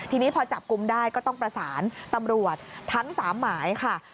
ทีนี้พอจับกลุ่มได้ก็ต้องประสานตำรวจทั้ง๓หมายค่ะ